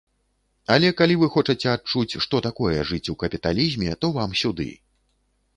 Але калі вы хочаце адчуць, што такое жыць у капіталізме, то вам сюды!